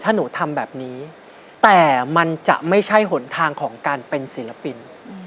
ถ้าหนูทำแบบนี้แต่มันจะไม่ใช่หนทางของการเป็นศิลปิน